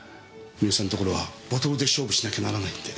三好さんのところはボトルで勝負しなきゃならないんで。